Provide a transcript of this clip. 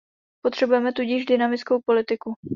Potřebujeme tudíž dynamickou politiku.